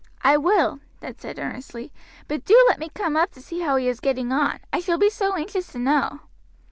"I will," Ned said earnestly; "but do let me come up to see how he is getting on, I shall be so anxious to know."